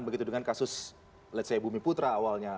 begitu dengan kasus let's say bumi putra awalnya